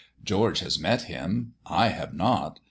George has met him; I have not.